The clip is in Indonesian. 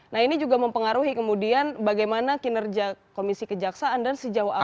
nah ini juga mempengaruhi kemudian bagaimana kinerja komisi kejaksaan dan sejauh apa